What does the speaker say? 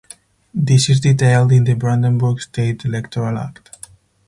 This is detailed in the Brandenburg State Electoral Act.